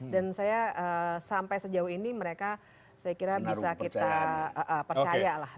dan saya sampai sejauh ini mereka saya kira bisa kita percaya lah